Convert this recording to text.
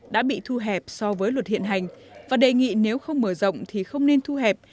đã bị thu hẹp so với luật hiện hành và đề nghị nếu không mở rộng thì không nên thu hẹp